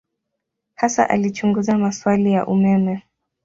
Hasa alichunguza maswali ya umeme.